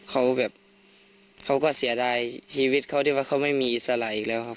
เขาแบบเขาก็เสียดายชีวิตเขาที่ว่าเขาไม่มีอิสระอีกแล้วครับ